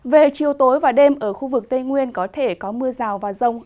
về chiều tối và đêm ở khu vực tây nguyên có thể có mưa rào và rông